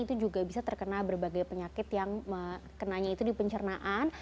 itu juga bisa terkena berbagai penyakit yang kenanya itu di pencernaan